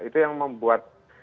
itu yang membuat